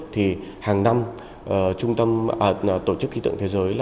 thì hàng năm tổ chức kỳ tượng thế giới